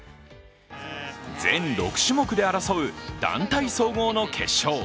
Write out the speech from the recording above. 全６種目で争う団体総合の決勝。